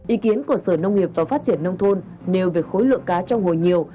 ý kiến của sở nông nghiệp và phát triển nông thôn nêu về khối lượng cá trong hồ nhiều